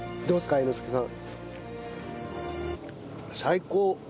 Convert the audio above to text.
猿之助さん。